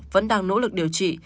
vẫn đang nỗ lực điều trị